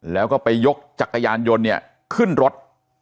แล้วก็ไปยกจักรยานยนต์เนี่ยขึ้นรถ